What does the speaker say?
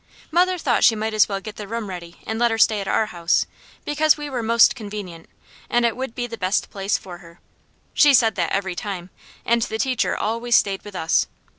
Mother thought she might as well get the room ready and let her stay at our house, because we were most convenient, and it would be the best place for her. She said that every time, and the teacher always stayed with us.